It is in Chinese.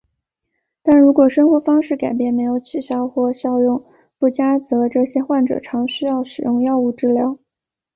但如果生活方式改变没有起效或效用不佳则这些患者常需要使用药物治疗。